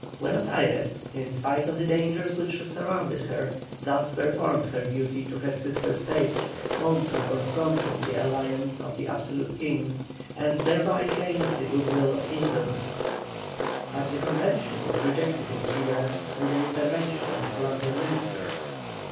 Buenos Ayres, in spite of the dangers which surrounded her, thus performed her duty to her sister States, boldly confronting the alliance of the absolute kings, and thereby gained the goodwill of England; but the convention was rejected in Chile through the intervention of the Columbian minister.